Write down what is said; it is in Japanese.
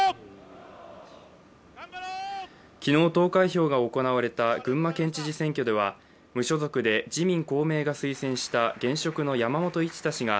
昨日投開票が行われた群馬県知事選挙では無所属で自民・公明が推薦した現職の山本一太氏が